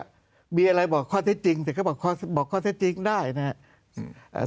มีอะไรบอกข้อเท็จจริงแต่ก็บอกข้อเท็จจริงได้นะครับ